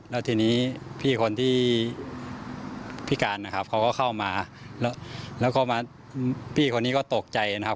แล้วทีนี้พี่คนที่พิการนะครับเขาก็เข้ามาแล้วก็มาพี่คนนี้ก็ตกใจนะครับ